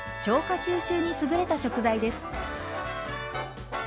吸収に優れた食材です。